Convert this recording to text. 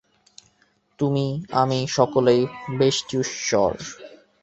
তুমি, আমি সকলেই ব্যষ্টি- ঈশ্বর।